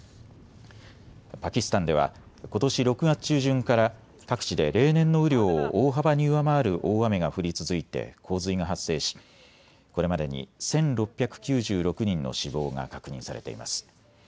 パキスタンではことし６月中旬から各地で例年の雨量を大幅に上回る大雨が降り続いて洪水が発生しこれまでに１６９６人の死亡が確認されています。